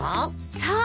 そう。